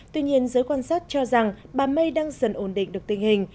tuy nhiên giới quan sát cho rằng bà may đang dần ổn định được tình hình